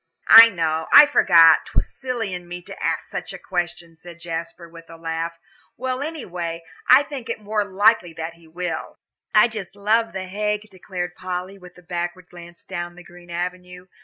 "I know I forgot 'twas silly in me to ask such a question," said Jasper, with a laugh. "Well, anyway, I think it more than likely that he will." "I just love The Hague," declared Polly, with a backward glance down the green avenue.